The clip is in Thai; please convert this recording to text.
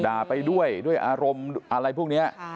ไปด้วยด้วยอารมณ์อะไรพวกนี้